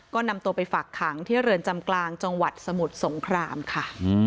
ก็นำตัวไปฝากขังที่เรือนจำกลางจังหวัดสมุทรสงครามค่ะ